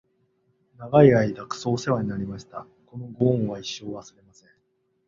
長い間クソおせわになりました！！！このご恩は一生、忘れません！！